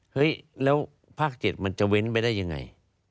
เฮ้ยแล้วภาค๗มันจะเว้นไปได้ยังไง